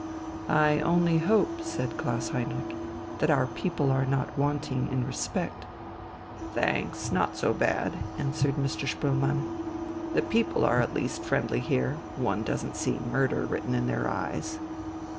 "I only hope," said Klaus Heinrich, "that our people are not wanting in respect...." "Thanks, not so bad," answered Mr. Spoelmann. "The people are at least friendly here; one doesn't see murder written in their eyes."